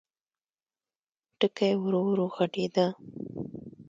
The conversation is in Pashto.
ټکی ورو، ورو غټېده.